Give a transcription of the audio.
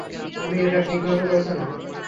তুমি এটা ঠিকভাবে করছোনা।